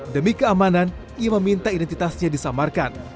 demi keamanan ia meminta identitasnya disamarkan